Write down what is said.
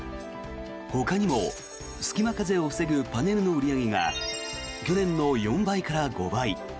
ほかにも隙間風を防ぐパネルの売り上げが去年の４倍から５倍。